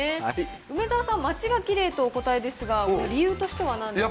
梅沢さん、町がきれいとお答えですが、理由としてはなんですか。